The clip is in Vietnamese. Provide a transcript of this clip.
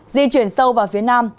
di chuyển sâu vào phía nam